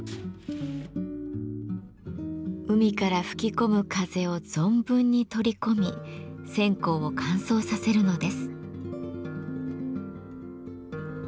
海から吹き込む風を存分に取り込み線香を乾燥させるのです。